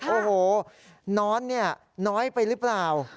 โอ้โหน้อนเนี่ยน้อยไปหรือเปล่า